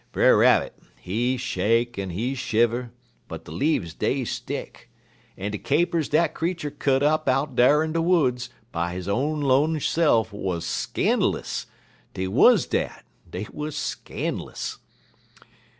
Brer Rabbit, he shake en he shiver, but de leafs dey stick; en de capers dat creetur cut up out dar in de woods by he own alone se'f wuz scan'lous dey wuz dat; dey wuz scan'lous.